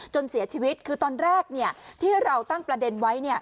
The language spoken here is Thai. เสียชีวิตคือตอนแรกที่เราตั้งประเด็นไว้